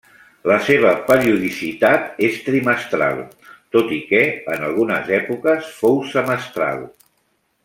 La seva periodicitat és trimestral, tot i que en algunes èpoques fou semestral.